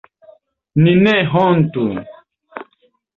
Ni ne hontu!